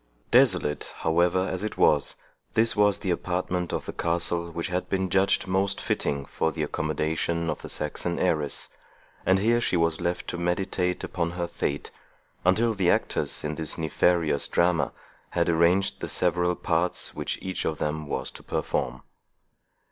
Desolate, however, as it was, this was the apartment of the castle which had been judged most fitting for the accommodation of the Saxon heiress; and here she was left to meditate upon her fate, until the actors in this nefarious drama had arranged the several parts which each of them was to perform.